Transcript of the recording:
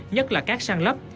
nhất là cát săn lấp